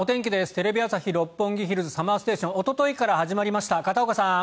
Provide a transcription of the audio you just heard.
テレビ朝日・六本木ヒルズＳＵＭＭＥＲＳＴＡＴＩＯＮおとといから始まりました片岡さん。